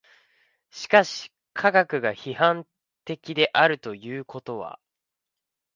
しかし科学が批判的であるということは